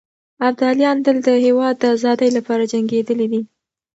ابداليان تل د هېواد د ازادۍ لپاره جنګېدلي دي.